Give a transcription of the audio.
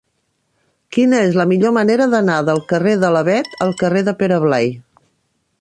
Quina és la millor manera d'anar del carrer de l'Avet al carrer de Pere Blai?